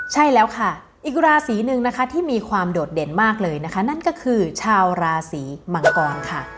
ใช่แล้วค่ะอีกราศีหนึ่งนะคะที่มีความโดดเด่นมากเลยนะคะนั่นก็คือชาวราศีมังกรค่ะ